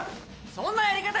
そんなやり方